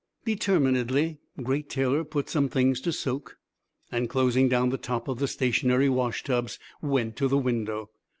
Determinedly Great Taylor put some things to soak and, closing down the top of the stationary washtubs, went to the window.